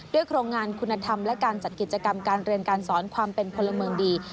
โครงงานคุณธรรมและการจัดกิจกรรมการเรียนการสอนความเป็นพลเมืองดี